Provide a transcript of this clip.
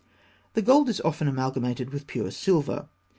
The gold is often amalgamated with pure silver.